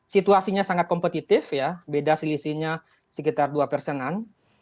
situasinya sangat kompetitif ya beda selisihnya sekitar dua persenan